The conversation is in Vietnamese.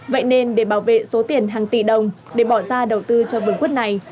vậy nên để bảo vệ số tiền hàng tỷ đồng để bỏ ra đầu tư cho vườn quất này